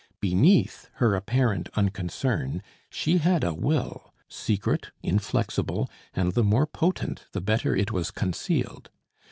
Beneath her apparent unconcern she had a will, secret, inflexible, and the more potent the better it was concealed.